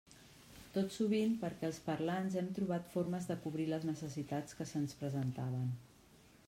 Tot sovint perquè els parlants hem trobat formes de cobrir les necessitats que se'ns presentaven.